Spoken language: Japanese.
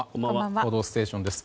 「報道ステーション」です。